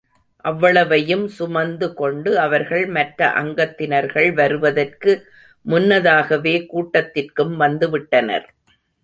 அவ்வளவையும் சுமந்து கொண்டு அவர்கள் மற்ற அங்கத்தினர்கள் வருவதற்கு முன்னதாகவே கூட்டத்திற்கும் வந்துவிட்டனர்!